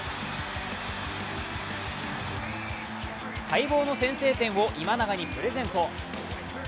待望の先制点を今永にプレゼント。